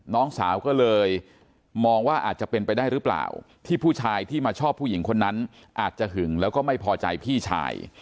น้องสาวก็เลยมองว่าอาจจะเป็นไปได้หรือเปล่า